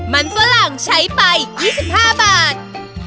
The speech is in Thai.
มันสวรรค์ใช้ไป๒๕บาท